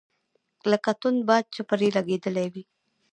لکه توند باد چي پر لګېدلی وي .